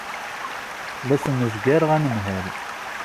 La smejgareɣ anemhal.